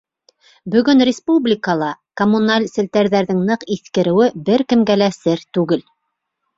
Бөгөн республикала коммуналь селтәрҙәрҙең ныҡ иҫкереүе бер кемгә лә сер түгел.